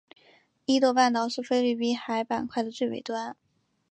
伊豆半岛是菲律宾海板块的最北端。